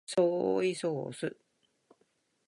ソイソース